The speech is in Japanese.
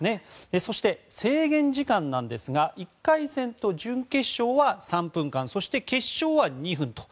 そして、制限時間ですが１回戦と準決勝は３分間、そして決勝は２分と。